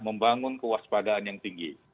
membangun kewaspadaan yang tinggi